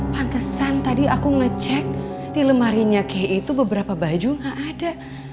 pantesan tadi aku ngecek di lemarinya kayak itu beberapa baju gak ada